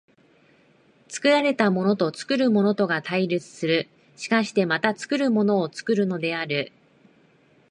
作られたものと作るものとが対立する、しかしてまた作るものを作るのである。